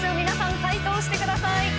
皆さん解答してください。